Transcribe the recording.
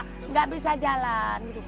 tidak bisa jalan